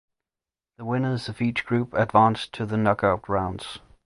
The winners of each group advanced to the knockout rounds.